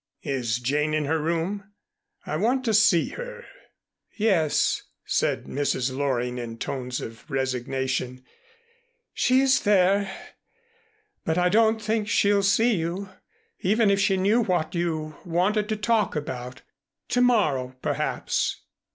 Is Jane in her room? I want to see her." "Yes," said Mrs. Loring in tones of resignation. "She's there, but I don't think she'd see you, even if she knew what you wanted to talk about. To morrow, perhaps."